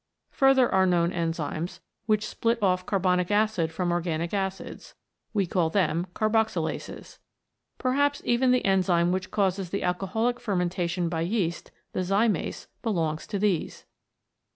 Further are known enzymes, which split off carbonic acid from organic acids. We call them Carboxylases. Perhaps even the enzyme which causes the alcoholic fermentation by yeast, the Zymase, belongs to these.